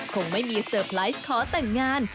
คงไม่มีเซอร์ไพรส์ขอแต่งงาน